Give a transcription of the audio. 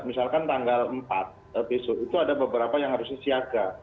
misalkan tanggal empat besok itu ada beberapa yang harusnya siaga